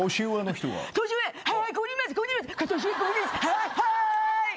はいはーい！